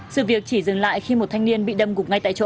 sự việc chỉ dừng lại khi một thanh niên bị đâm gục ngay tại chỗ